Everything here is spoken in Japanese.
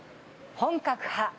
「本格派」